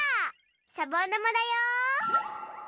しゃぼんだまだよ。